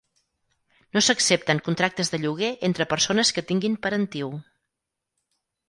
No s'accepten contractes de lloguer entre persones que tinguin parentiu.